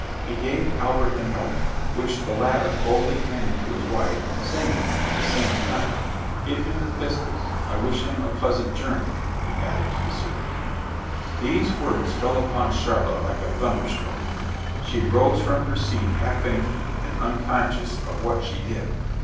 He gave Albert a note, which the latter coldly handed to his wife, saying, at the same time, "Give him the pistols. I wish him a pleasant journey," he added, turning to the servant. These words fell upon Charlotte like a thunderstroke: she rose from her seat half fainting, and unconscious of what she did.